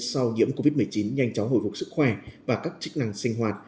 sau nhiễm covid một mươi chín nhanh chóng hồi phục sức khỏe và các chức năng sinh hoạt